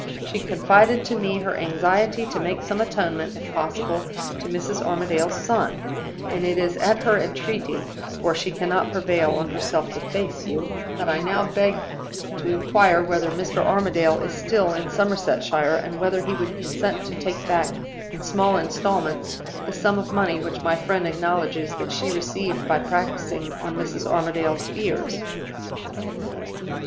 She confided to me her anxiety to make some atonement, if possible, to Mrs. Armadale's son; and it is at her entreaty (for she cannot prevail on herself to face you) that I now beg to inquire whether Mr. Armadale is still in Somersetshire, and whether he would consent to take back in small installments the sum of money which my friend acknowledges that she received by practicing on Mrs. Armadale's fears.